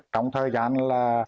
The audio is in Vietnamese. trong thời gian là